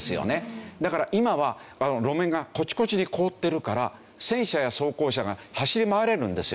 だから今は路面がコチコチに凍ってるから戦車や装甲車が走り回れるんですよ。